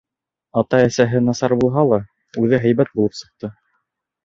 Ата-әсәһе насар булһа ла, үҙе һәйбәт булып сыҡты.